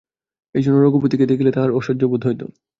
এইজন্য রঘুপতিকে দেখিলে তাঁহার অসহ্য বোধ হইত।